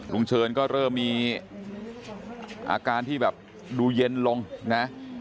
เชิญก็เริ่มมีอาการที่แบบดูเย็นลงนะ